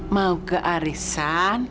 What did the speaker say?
mau ke arisan